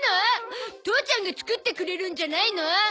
父ちゃんが作ってくれるんじゃないの？